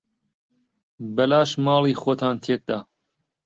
بەلاش ماڵی خۆتان تێک دا.